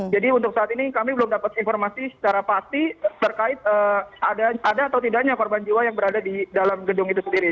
jadi untuk saat ini kami belum dapat informasi secara pasti terkait ada atau tidaknya korban jiwa yang berada di dalam gedung itu sendiri